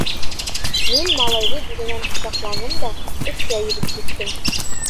Мин малайҙы биленән ҡосаҡланым да өҫкә йөҙөп киттем.